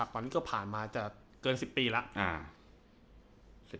ตอนนี้ก็ผ่านมาจะเกิน๑๐ปีแล้ว